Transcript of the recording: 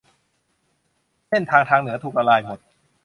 เส้นทางทางเหนือถูกละลายหมด